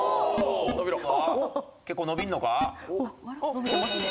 伸びてますね。